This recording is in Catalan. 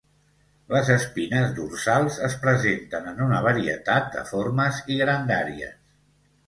Les espines dorsals es presenten en una varietat de formes i grandàries.